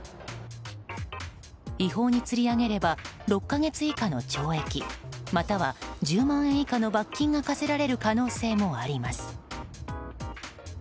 違法に釣り上げれば６か月以下の懲役または１０万円以下の罰金が科せられる可能性もあります。